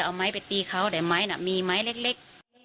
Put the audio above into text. เอาไม้ไปตีเขาแต่ไม้น่ะมีไม้เล็ก